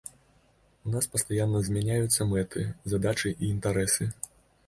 У нас пастаянна змяняюцца мэты, задачы і інтарэсы.